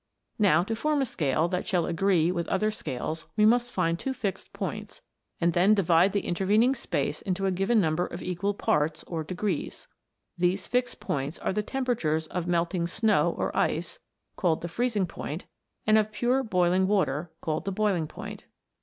Now, to form a scale that shall agree with other scales we must find two fixed points, and then divide the intervening space into a given number of equal parts, or degrees. These fixed points are the temperatures of melting snow or ice, called the freezing point, and of pure boiling water, named the boiling point.